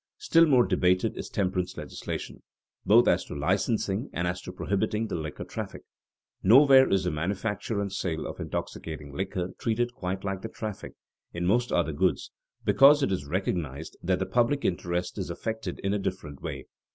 Still more debated is temperance legislation, both as to licensing and as to prohibiting the liquor traffic. Nowhere is the manufacture and sale of intoxicating liquor treated quite like the traffic in most other goods, because it is recognized that the public interest is affected in a different way.